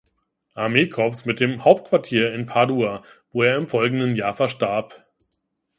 Armeekorps mit dem Hauptquartier in Padua, wo er im folgenden Jahr verstarb.